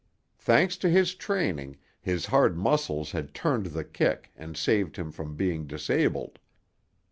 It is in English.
Thanks to his training, his hard muscles had turned the kick and saved him from being disabled.